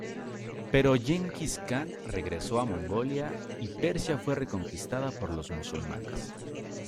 Pero Gengis Kan regresó a Mongolia, y Persia fue reconquistada por los musulmanes.